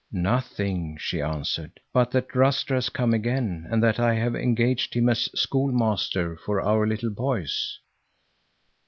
"Nothing," she answered, "but that Ruster has come again, and that I have engaged him as schoolmaster for our little boys."